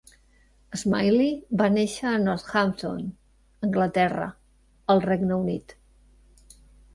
Smiley va néixer a Northampton, Anglaterra, al Regne Unit.